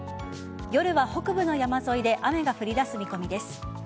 夜は北部の山沿いで雨が降り出す見込みです。